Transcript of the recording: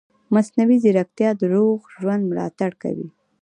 مصنوعي ځیرکتیا د روغ ژوند ملاتړ کوي.